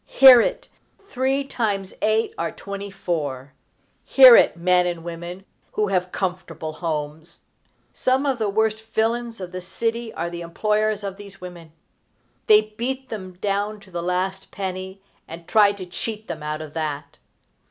Hear it! Three times eight are twenty four! Hear it, men and women who have comfortable homes! Some of the worst villains of the city are the employers of these women. They beat them down to the last penny, and try to cheat them out of that.